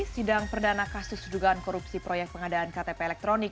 sidang perdana kasus dugaan korupsi proyek pengadaan ktp elektronik